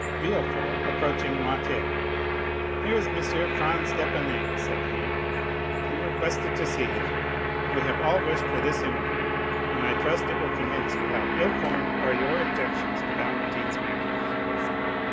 Villefort, approached Noirtier. "Here is M. Franz d'Épinay," said he; "you requested to see him. We have all wished for this interview, and I trust it will convince you how ill formed are your objections to Valentine's marriage."